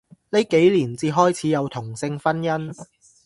呢幾年至開始有同性婚姻